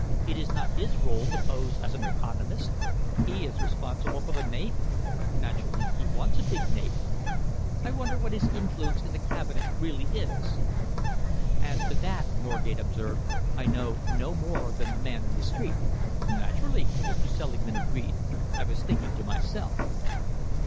It is not his role to pose as an economist. He is responsible for the navy. Naturally he wants a big navy. I wonder what his influence in the Cabinet really is." "As to that," Norgate observed, "I know no more than the man in the street." "Naturally," Mr. Selingman agreed. "I was thinking to myself."